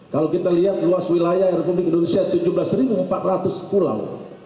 kalau kita lihat luas wilayah republik indonesia tujuh belas empat ratus pulau